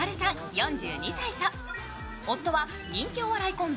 ４２歳と夫は人気お笑いコンビ